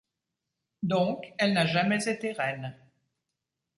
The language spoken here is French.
Donc, elle n'a jamais été reine.